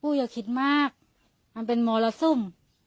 ปู่อย่าคิดมากมันเป็นมอลโลซุ่ม